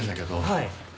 はい。